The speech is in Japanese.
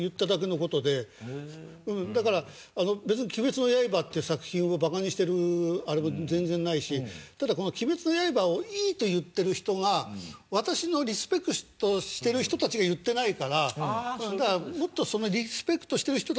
だから別に『鬼滅の刃』っていう作品をバカにしてるあれも全然ないしただこの『鬼滅の刃』をいいと言ってる人が私のリスペクトしてる人たちが言ってないからだからもっと。